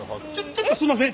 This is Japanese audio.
ちょっとすんません。